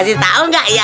kasih tau gak ya